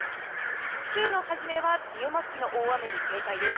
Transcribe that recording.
週の初めは梅雨末期の大雨に警戒です。